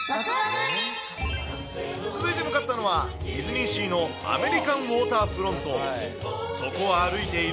続いて向かったのは、ディズニーシーのアメリカンウォーターフロント。